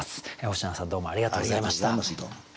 星野さんどうもありがとうございました。